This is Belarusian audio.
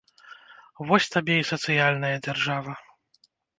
Вось табе і сацыяльная дзяржава!